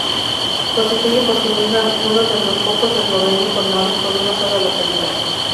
Constituye por sí misma uno de los pocos eslovenos formados por una sola localidad.